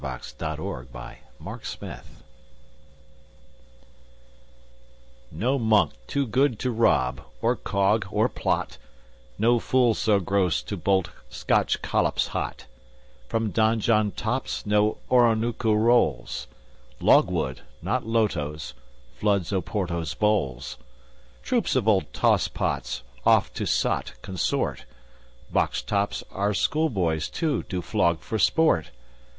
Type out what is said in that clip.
INCONTROVERTIBLE FACTS NO monk too good to rob, or cog, or plot, No fool so gross to bolt Scotch collops hot From Donjon tops no Oronooko rolls. Logwood, not lotos, floods Oporto's bowls. Troops of old tosspots oft to sot consort. Box tops our schoolboys, too, do flog for sport.